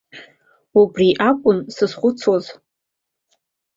Убри иакәын сзызхәыцуаз.